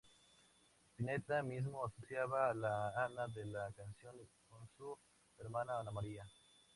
Spinetta mismo asociaba a la Ana de la canción con su hermana Ana María.